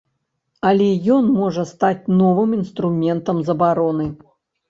Але ён можа стаць новым інструментам забароны.